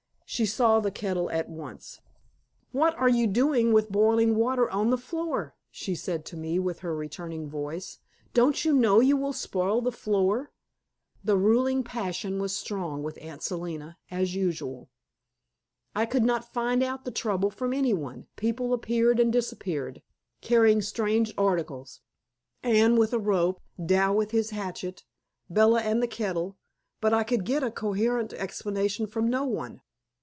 She saw the kettle at once. "What are you doing with boiling water on the floor?" she said to me, with her returning voice. "Don't you know you will spoil the floor?" The ruling passion was strong with Aunt Selina, as usual. I could not find out the trouble from any one; people appeared and disappeared, carrying strange articles. Anne with a rope, Dal with his hatchet, Bella and the kettle, but I could get a coherent explanation from no one.